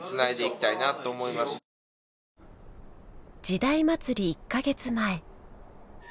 「時代祭」１か月前。